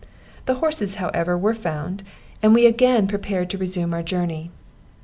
The horses, however, were found, and we again prepared to resume our journey.